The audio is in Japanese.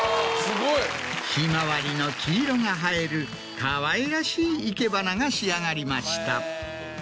すごい！ヒマワリの黄色が映えるかわいらしい生け花が仕上がりました。